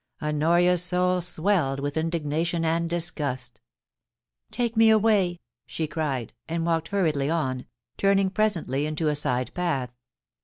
Honoria's soul swelled with indignation and disgust * Take me away !' she cried, and walked hurriedly on, turning presently into a side path.